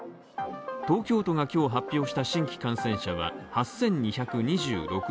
東京都が今日、発表した新規感染者は８２２６人。